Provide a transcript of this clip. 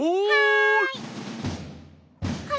はい！